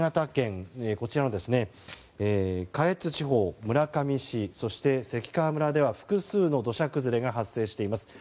こちらの下越地方、村上市関川村では複数の土砂崩れが発生しています。